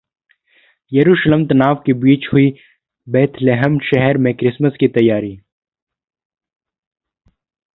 येरूशलम तनाव के बीच हुई बेथलेहम शहर में क्रिसमस की तैयारी